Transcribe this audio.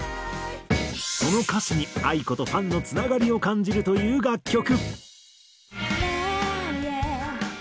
その歌詞にａｉｋｏとファンのつながりを感じるという楽曲。